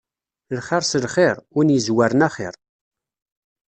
Lxir s lxir, win yezwaren axir.